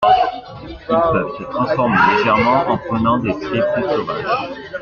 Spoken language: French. Ils peuvent se transformer légèrement en prenant des traits plus sauvages.